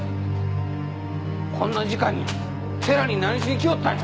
こんな時間に寺に何しに来よったんや？